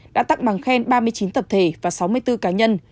đã tặng bằng khen ba mươi chín tập thể và sáu mươi bốn cá nhân